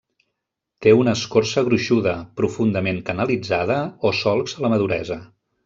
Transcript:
Té una escorça gruixuda, profundament canalitzada o solcs a la maduresa.